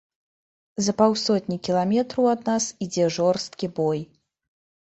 За паўсотні кіламетраў ад нас ідзе жорсткі бой.